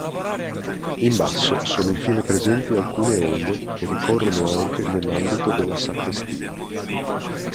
In basso, sono infine presenti alcune onde, che ricorrono anche nell'ambito della sacrestia.